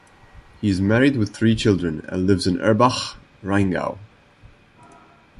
He is married with three children and lives in Erbach, Rheingau.